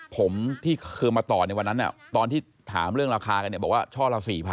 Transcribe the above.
ผมที่เคยมาต่อในวันนั้นตอนที่ถามเรื่องราคากันเนี่ยบอกว่าช่อละ๔๐๐